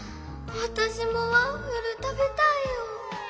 わたしもワッフルたべたいよ！